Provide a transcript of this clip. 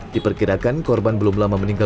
diperkirakan korban belum lama meninggal